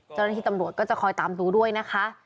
เจ้าหน้าที่ตำรวจตามดูด้วยนะคะ